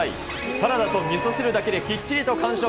サラダとみそ汁だけできっちりと完食。